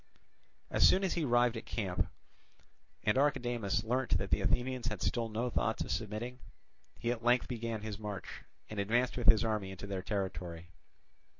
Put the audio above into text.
As soon as he arrived at the camp, and Archidamus learnt that the Athenians had still no thoughts of submitting, he at length began his march, and advanced with his army into their territory.